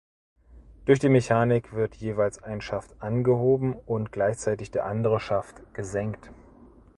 Durch die Mechanik wird jeweils ein Schaft angehoben und gleichzeitig der andere Schaft gesenkt.